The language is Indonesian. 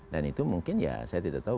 dan itu mungkin ya saya tidak tahu